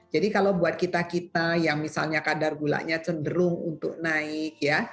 jadi kalau buat kita kita yang misalnya kadar gulanya cenderung untuk naik ya